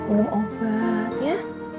minum obat ya